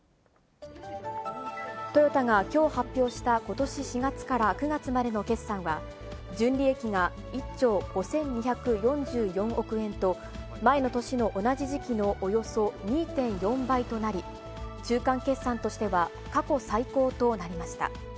トヨタがきょう発表したことし４月から９月までの決算は、純利益が１兆５２４４億円と、前の年の同じ時期のおよそ２．４倍となり、中間決算としては過去最高となりました。